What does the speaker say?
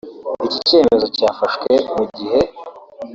Iki cyemezo cyafashwe mu gihe